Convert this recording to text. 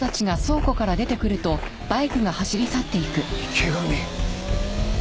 池上？